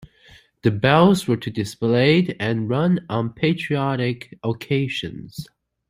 The bells were to be displayed and rung on patriotic occasions.